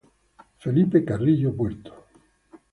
Felipe Carrillo Puerto